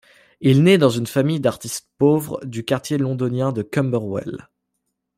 Il naît dans une famille d'artistes pauvres du quartier londonien de Camberwell.